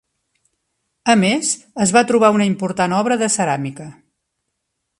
A més, es va trobar una important obra de ceràmica.